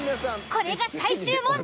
これが最終問題。